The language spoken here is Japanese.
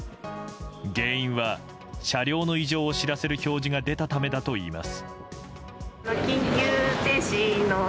原因は車両の異常を知らせる表示が出たためだといいます。